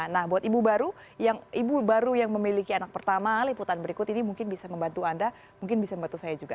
nah buat ibu baru ibu baru yang memiliki anak pertama liputan berikut ini mungkin bisa membantu anda mungkin bisa membantu saya juga